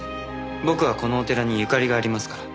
僕はこのお寺にゆかりがありますから。